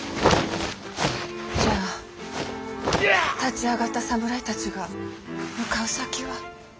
じゃあ立ち上がった侍たちが向かう先は。